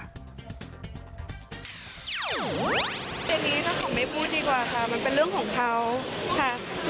อย่างนี้ถ้าเขาไม่พูดดีกว่าค่ะมันเป็นเรื่องของเขาค่ะ